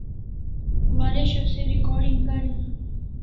Waresho se recording kariu dai